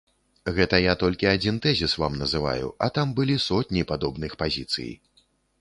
Гэта я толькі адзін тэзіс вам называю, а там былі сотні падобных пазіцый.